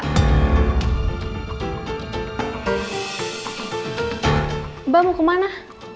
mbak mau kemana